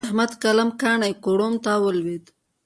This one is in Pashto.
د احمد قلم کاڼی کوړم ته ولوېد.